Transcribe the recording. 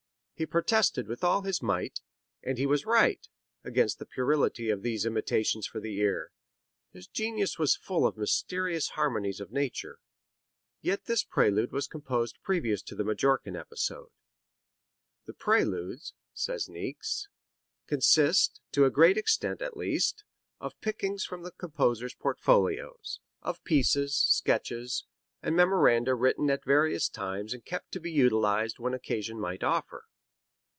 He protested with all his might, and he was right, against the puerility of these imitations for the ear. His genius was full of mysterious harmonies of nature." Yet this prelude was composed previous to the Majorcan episode. "The Preludes," says Niecks, "consist to a great extent, at least of pickings from the composer's portfolios, of pieces, sketches and memoranda written at various times and kept to be utilized when occasion might offer."